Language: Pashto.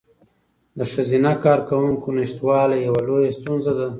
د ښځینه کارکوونکو نشتوالی یوه لویه ستونزه ده.